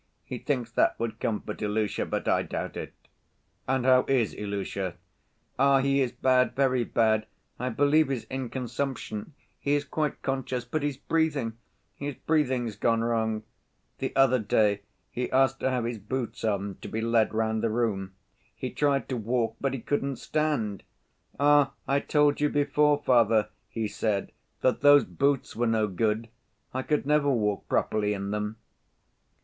He thinks that would comfort Ilusha; but I doubt it." "And how is Ilusha?" "Ah, he is bad, very bad! I believe he's in consumption: he is quite conscious, but his breathing! His breathing's gone wrong. The other day he asked to have his boots on to be led round the room. He tried to walk, but he couldn't stand. 'Ah, I told you before, father,' he said, 'that those boots were no good. I could never walk properly in them.